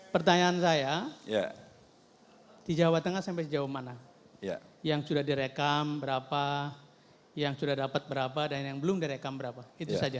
pertanyaan saya di jawa tengah sampai sejauh mana yang sudah direkam berapa yang sudah dapat berapa dan yang belum direkam berapa itu saja